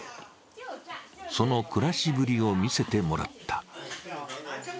その暮らしぶりを見せてもらった。